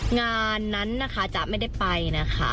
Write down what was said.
งานนั้นนะคะจะไม่ได้ไปนะคะ